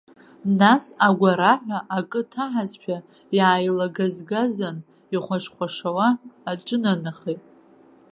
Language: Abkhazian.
Нас, агәараҳәа акы ҭаҳазшәа иааилагазгазан, ихәашьуа-ихәашьуа аҿынанахеит.